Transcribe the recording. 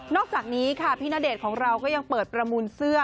อกจากนี้ค่ะพี่ณเดชน์ของเราก็ยังเปิดประมูลเสื้อ